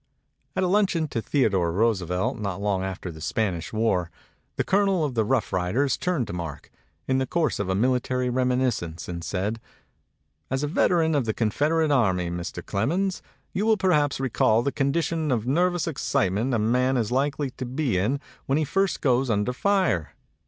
At a luncheon to Theodore Roosevelt not long after the Spanish War, the Colonel of the Rough Riders turned to Mark, in the course of a mili tary reminiscence, and said, "As a veteran of the Confederate Army, Mr. Clemens, you will perhaps recall the condition of nervous excite ment a man is likely to be in when he first goes under fire